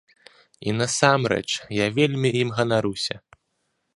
І, насамрэч, я вельмі ім ганаруся.